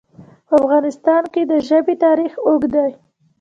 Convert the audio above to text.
په افغانستان کې د ژبې تاریخ اوږد دی.